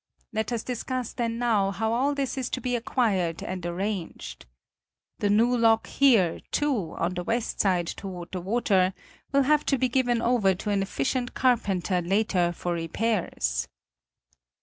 Let us discuss then now how all this is to be acquired and arranged. The new lock here, too, on the west side toward the water will have to be given over to an efficient carpenter later for repairs."